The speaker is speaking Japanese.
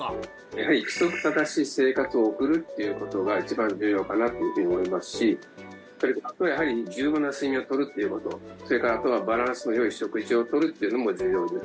やはり規則正しい生活を送るっていうことが一番重要かなというふうに思いますしあとはやはり十分な睡眠を取るっていうことそれからあとはバランスのよい食事を取るっていうのも重要です